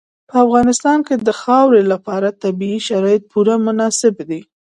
په افغانستان کې د خاورې لپاره طبیعي شرایط پوره مناسب دي.